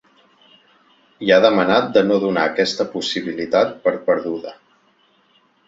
I ha demanat de no donar aquesta possibilitat per perduda.